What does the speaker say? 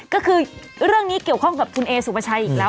ก็คือเรื่องนี้เกี่ยวข้องกับคุณเอสุปชัยอีกแล้ว